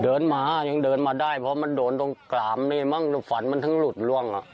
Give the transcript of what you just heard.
เดินมายังมันได้เพราะมันโดนตรงกลามนี้บ้างฝันมันทั้งหลุดล่วง